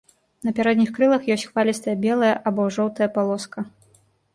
На пярэдніх крылах ёсць хвалістая белая або жоўтая палоска.